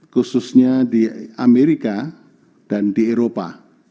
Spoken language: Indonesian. khususnya di amerika dan di eropa